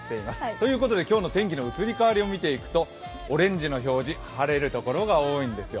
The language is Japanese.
ということで今日の天気の移り変わりを見ていくとオレンジの表示、晴れる所が多いんですよ。